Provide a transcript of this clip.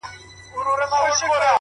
د کلي دې ظالم ملا سيتار مات کړی دی،